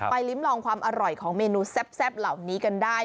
ลิ้มลองความอร่อยของเมนูแซ่บเหล่านี้กันได้